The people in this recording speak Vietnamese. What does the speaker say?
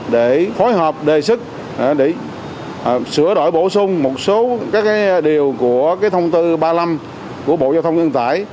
để phối hợp đề xuất để sửa đổi bổ sung một số các điều của thông tư ba mươi năm của bộ giao thông vận tải